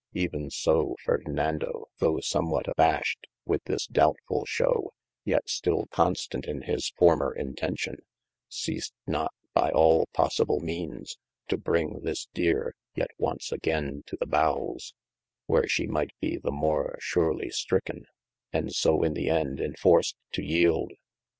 Even so Ferdinando though somwhat abashed with this doubtfull shewe, yet stil constant in his former intention, ceased not by all possible meanes, too bring this Deere yet once agayne to the bowes, wherby shee might be the more surely stryken: and so in the end enforced to yeeld.